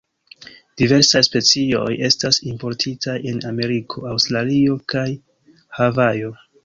Diversaj specioj estas importitaj en Ameriko, Aŭstralio kaj Havajo.